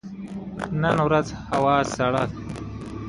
Finnegan was born in Albany, New York.